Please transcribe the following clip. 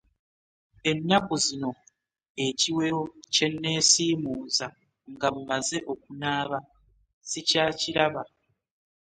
Ennaku zino ekiwero kyenesiimuza nga maze okunaaba sikyakiraba.